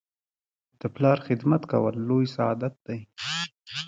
د پلار خدمت کول لوی سعادت دی.